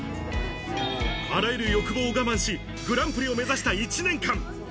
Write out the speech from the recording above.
あらゆる欲望を我慢し、グランプリを目指した１年間。